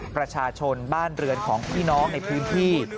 ประชาชนบ้านเรือนของพี่น้องในพื้นที่